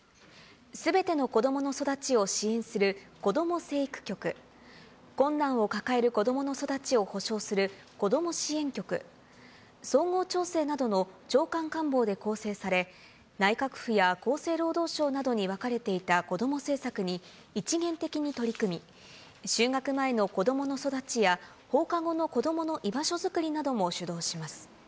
すべての子どもの育ちを支援するこども成育局、困難を抱える子どもの育ちを保障するこども支援局、総合調整などの長官官房で構成され、内閣府や厚生労働省などに分かれていた子ども政策に、一元的に取り組み、就学前の子どもの育ちや、放課後の子どもの居場所づくりなども主導します。